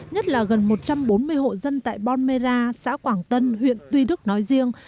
nhất là gần một trăm bốn mươi hộ dân tại bon mera xã quảng tân huyện tuy đức nói riêng